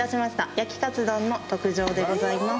焼きカツ丼の特上でございます。